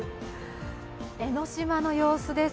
江の島の様子です。